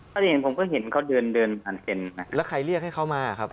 ข้อได้จริงผมก็เห็นเขาเดินผ่านเซ็นอ่ะแล้วใครเรียกให้เขามาอ่ะครับ